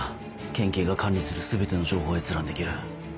県警が管理する全ての情報を閲覧できる。